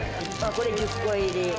これ１０個入り。